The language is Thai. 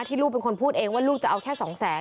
ลูกเป็นคนพูดเองว่าลูกจะเอาแค่๒แสน